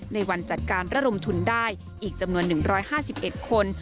ในวันจัดการระดมทุนได้อีกจำนวน๑๕๑คน